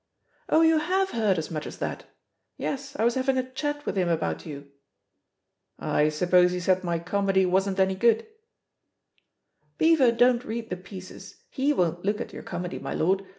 ''Oh, you have heard as much as that! Ye8» I was having a chat with him about you/' ^'I suppose he said my comedy wasn't anj^ goodr 'TBeaver don't read the pieces — he won't loot at your comedy, my lord.